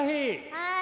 はい。